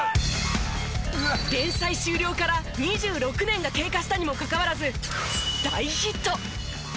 連載終了から２６年が経過したにもかかわらず大ヒット！